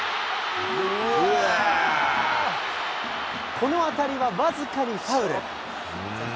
この当たりは僅かにファウル。